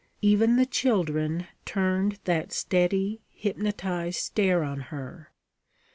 Even the children turned that steady, hypnotized stare on her.